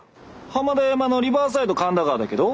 浜田山のリバーサイド神田川だけど。